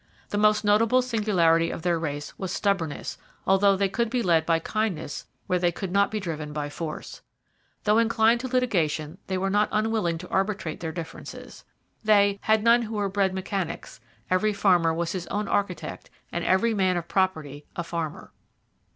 The most notable singularity of their race was stubbornness, although they could be led by kindness where they could not be driven by force. Though inclined to litigation, they were not unwilling to arbitrate their differences. They 'had none who were bred mechanics; every farmer was his own architect and every man of property a farmer.'